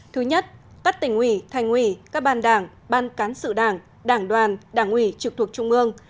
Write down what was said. thứ nhất các tỉnh ủy thành ủy các ban đảng ban cán sự đảng đảng đoàn đảng ủy trực thuộc trung ương